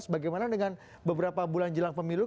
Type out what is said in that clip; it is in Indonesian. bagaimana dengan beberapa bulan jelang pemilu